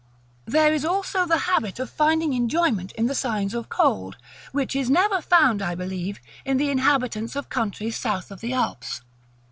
There is also the habit of finding enjoyment in the signs of cold, which is never found, I believe, in the inhabitants of countries south of the Alps.